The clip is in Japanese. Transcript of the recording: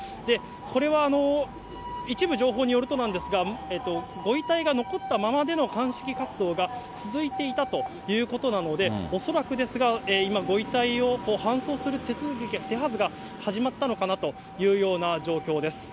これは一部情報によるとなんですが、ご遺体が残ったままでの鑑識活動が続いていたということなので、恐らくですが、今、ご遺体を搬送する手はずが始まったのかなというような状況です。